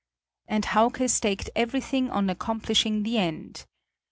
And Hauke staked everything on accomplishing the end.